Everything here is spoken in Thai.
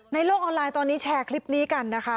โลกออนไลน์ตอนนี้แชร์คลิปนี้กันนะคะ